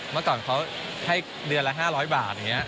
เมื่อก่อนเขาให้เดือนละ๕๐๐บาท